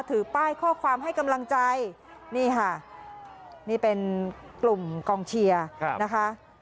ถือป้ายข้อความให้กำลังใจนี่ค่ะนี่เป็นกลุ่มกองเชียร์นะคะ